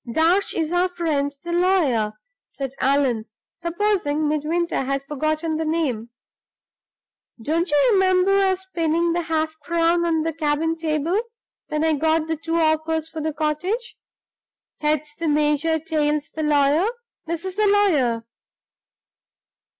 "Darch is our friend the lawyer," said Allan, supposing Midwinter had forgotten the name. "Don't you remember our spinning the half crown on the cabin table, when I got the two offers for the cottage? Heads, the major; tails, the lawyer. This is the lawyer."